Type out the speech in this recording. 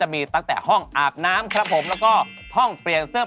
ตามแอฟผู้ชมห้องน้ำด้านนอกกันเลยดีกว่าครับ